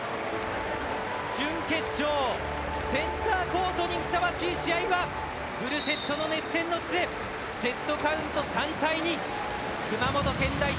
準決勝センターコートにふさわしい試合はフルセットの熱戦の末セットカウント３対２熊本県代表